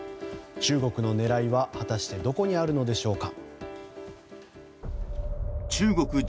中国の狙いは果たしてどこにあるのでしょうか。